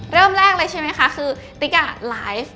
เริ่มแรกเลยใช่ไหมคะคือติ๊กอ่ะไลฟ์